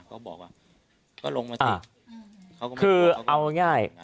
ก็เขาบอกว่าเอาง่าย